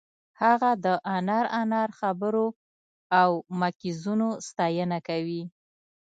هغه د انار انار خبرو او مکیزونو ستاینه کوي